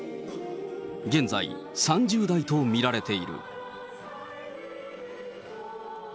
現在、３０代と見られている。